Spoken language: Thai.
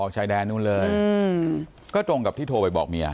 ชายแดนนู้นเลยก็ตรงกับที่โทรไปบอกเมีย